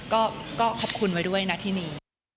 ก็ขอบคุณไว้ด้วยนะที่นี้